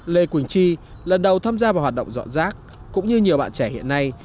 lê quỳnh chi lần đầu tham gia vào hoạt động dọn rác cũng như nhiều bạn trẻ hiện nay